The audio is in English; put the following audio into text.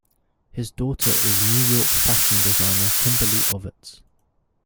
His daughter is New York fashion designer Kimberly Ovitz.